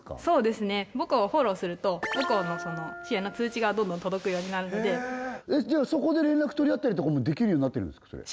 そうですね母校をフォローすると母校の試合の通知がどんどん届くようになるんでそこで連絡取り合ったりとかもできるようになってるんですか？